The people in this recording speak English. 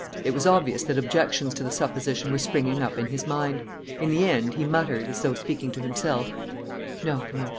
It was obvious that objections to the supposition were springing up in his mind. In the end, he muttered, as though speaking to himself: "No, no.